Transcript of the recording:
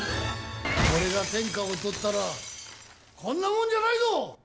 俺が天下をとったらこんなもんじゃないぞ！